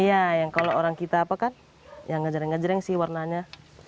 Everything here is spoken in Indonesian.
iya yang kalau orang kita apa kan yang ngejreng ngejreng sih warnanya